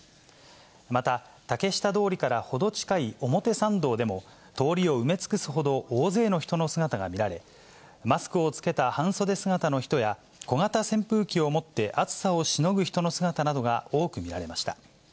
また、竹下通りから程近い表参道でも、通りを埋め尽くすほど、大勢の人の姿が見られ、マスクを着けた半袖姿の人や、小型扇風機を持って暑さをしのぐ人の姿などが多く見られました。